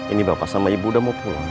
ini bapak sama ibu udah mau pulang